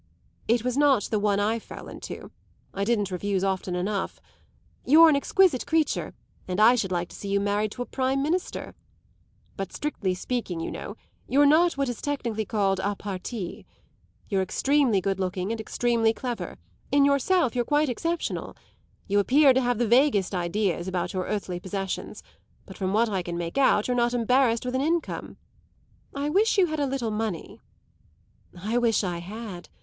It was not the one I fell into I didn't refuse often enough. You're an exquisite creature, and I should like to see you married to a prime minister. But speaking strictly, you know, you're not what is technically called a parti. You're extremely good looking and extremely clever; in yourself you're quite exceptional. You appear to have the vaguest ideas about your earthly possessions; but from what I can make out you're not embarrassed with an income. I wish you had a little money." "I wish I had!"